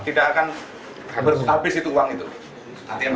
tidak akan habis itu uang itu atm dapur